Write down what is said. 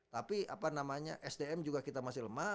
tapi apa namanya sdm juga kita masih lemah